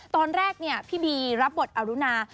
ตอนแรกพี่บีรับบทอรุณา